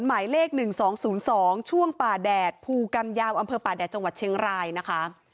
หมายเลข๑๒๐๒ช่วงป่าแดดภูกรรมยาวอำเภอป่าแดดจังหวัดเชียงรายนะคะ